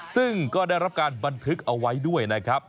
ซึ่งก็ได้รับการบันทึกเอาไว้ด้วยนะครับ